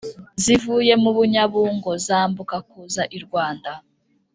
zivuye mubunyabungo zambuka kuza i rwanda?